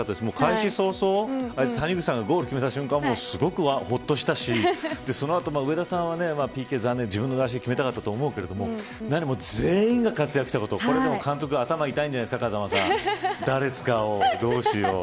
開始早々、谷口さんがゴールを決めた瞬間、ほっとしたしその後上田さんはＰＫ残念自分の足で決めたかったと思うけど何よりも全員が活躍したこと監督頭痛いんじゃないですか誰を使おうかと。